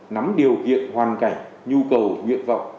nắm điều kiện hoàn cảnh nhu cầu nguyện vọng